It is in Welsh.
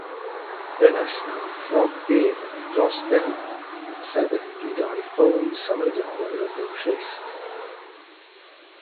Dynes mewn ffrog byr dros ben yn sefyll gyda'i ffon symudol wrth ei chlust.